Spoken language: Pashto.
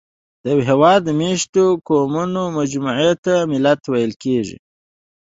د یوه هېواد د مېشتو قومونو مجموعې ته ملت ویل کېږي.